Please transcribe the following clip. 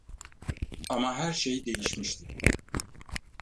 Ama her şey değişmişti.